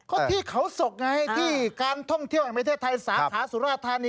ก็ที่เขาศกไงที่การท่องเที่ยวแห่งประเทศไทยสาขาสุราธานี